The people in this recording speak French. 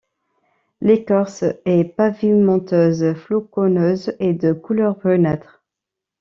L'écorce est pavimenteuse, floconneuse et de couleur brunâtre.